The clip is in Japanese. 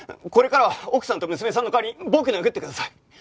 これからは奥さんと娘さんの代わりに僕殴ってください。